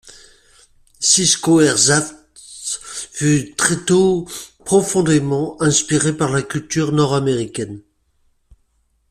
Cisco Herzhaft fut très tôt profondément inspiré par la culture nord américaine.